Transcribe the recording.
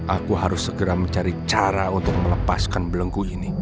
aku harus segera mencari cara untuk melepaskan belengku ini